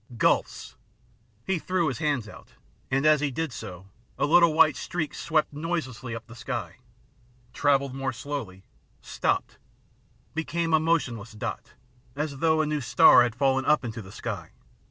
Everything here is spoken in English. Gulfs !" He threw his hands out, and as he did so, a little white streak swept noiselessly up the sky, travelled more slowly, stopped, became a motionless dot, as though a new star had fallen up into the sky.